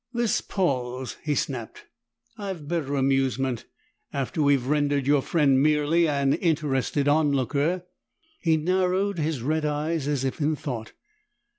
"This palls!" he snapped. "I've better amusement after we've rendered your friend merely an interested on looker." He narrowed his red eyes as if in thought.